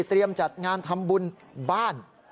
เตรียมจัดงานทำบุญบ้าน